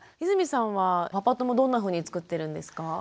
泉さんはパパ友どんなふうにつくってるんですか？